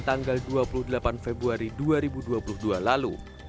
tanggal dua puluh delapan februari dua ribu dua puluh dua lalu